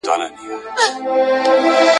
د جمهورو فقهاوو نظر دادی.